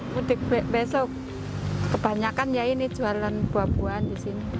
mudik besok kebanyakan jualan buah buahan di sini